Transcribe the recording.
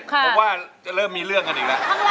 ผมว่าจะเริ่มมีเรื่องกันอีกแล้ว